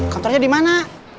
kantornya di mana